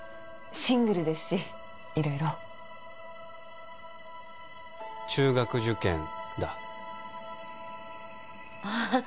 シングルですし色々中学受験だああ